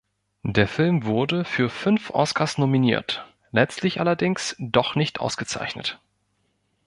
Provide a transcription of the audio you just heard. Der Film wurde für fünf Oscars nominiert, letztlich allerdings doch nicht ausgezeichnet.